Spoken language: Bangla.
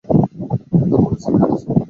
তোর ফোনে সিগন্যাল আছে?